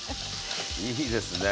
いいですね。